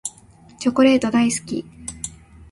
チョコレート大好き。